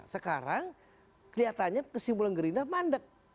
sekarang kelihatannya kesimpulan gerindra mandek